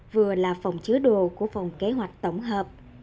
vừa là phòng chứa đồ của phòng kế hoạch tổng hợp